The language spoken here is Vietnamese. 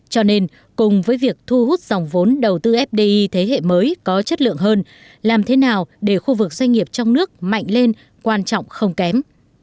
cho nên cùng với việc thu hút dòng vốn đầu tư fdi thế hệ mới có chất lượng hơn làm thế nào để khu vực doanh nghiệp trong nước mạnh lên quan trọng không kém